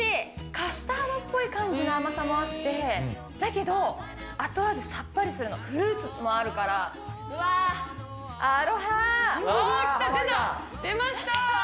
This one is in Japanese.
カスタードっぽい感じの甘さもあって、だけど後味さっぱりするの、フルーツとかもあるから、うわー、きた、出た。